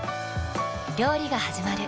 料理がはじまる。